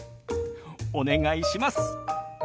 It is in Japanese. お願いします。